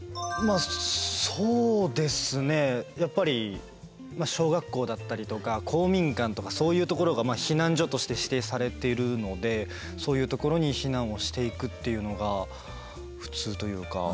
そうですねやっぱり小学校だったりとか公民館とかそういうところが避難所として指定されているのでそういうところに避難をしていくっていうのが普通というか。